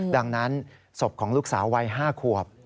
ดังนั้นศพของลูกสาววัย๕ขวบ